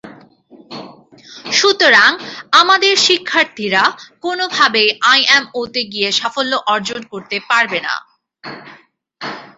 সুতরাং আমাদের শিক্ষার্থীরা কোনোভাবেই আইএমওতে গিয়ে সাফল্য অর্জন করতে পারবে না।